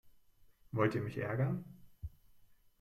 Wollt ihr mich ärgern?